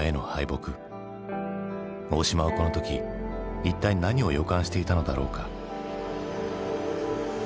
大島はこの時一体何を予感していたのだろうか。